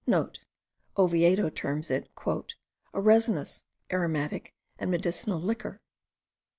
*(* Oviedo terms it "A resinous, aromatic, and medicinal liquor.")